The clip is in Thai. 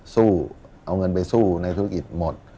สู้เอาเงินไปสู้ในธุรกิจหมด